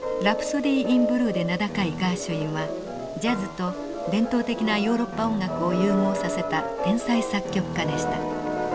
「ラプソディー・イン・ブルー」で名高いガーシュウィンはジャズと伝統的なヨーロッパ音楽を融合させた天才作曲家でした。